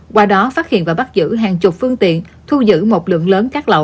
qua đó phát hiện và bắt giữ hàng chục phương tiện thu giữ một lượng lớn cát lậu